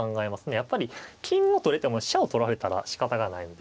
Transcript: やっぱり金を取れても飛車を取られたらしかたがないんで。